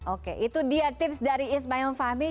oke itu dia tips dari ismail fahmi